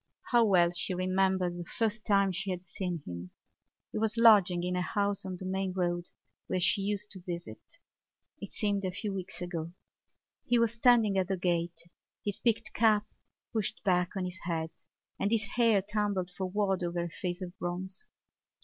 How well she remembered the first time she had seen him; he was lodging in a house on the main road where she used to visit. It seemed a few weeks ago. He was standing at the gate, his peaked cap pushed back on his head and his hair tumbled forward over a face of bronze.